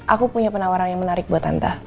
aku punya penawaran yang menarik buat hanta